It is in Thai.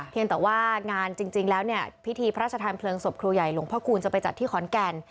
เพียงแต่ว่างานจริงแล้วเนี่ยพิธีพระราชทานเพลิงศพครูใหญ่หลวงพ่อคูณจะไปจัดที่ขอนแก่น